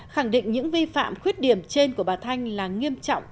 khẳng định những vi phạm khuyết điểm trên của bà thanh là nghiêm trọng